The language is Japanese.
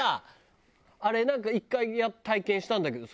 あれなんか１回体験したんだけどさ